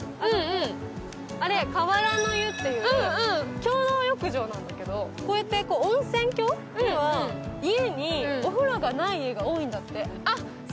あれ、河原の湯っていう共同浴場なんだけどこうやって温泉郷には家にお風呂がない家が多いんだって。